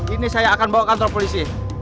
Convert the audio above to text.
ini saya akan bawa kantor polisi